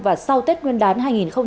và sau tết nguyên đán hai nghìn hai mươi